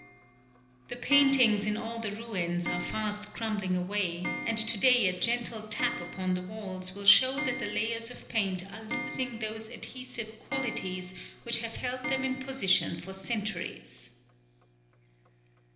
] The paintings in all the ruins are fast crumbling away, and to day a gentle tap upon the walls will show that the layers of paint are losing those adhesive qualities which have held them in position for centuries.